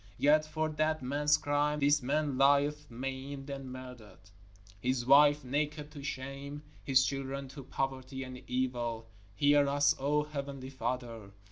Yet for that man's crime this man lieth maimed and murdered, his wife naked to shame, his children, to poverty and evil. _Hear us, O Heavenly Father!